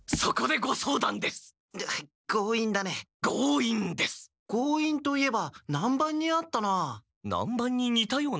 ごういんといえば南蛮にあったな。